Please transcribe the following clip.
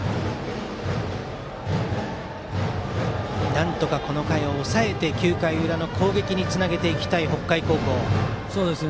なんとかこの回を抑えて９回裏の攻撃につなげていきたい北海高校です。